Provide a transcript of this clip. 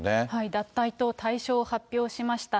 脱退と退所を発表しました。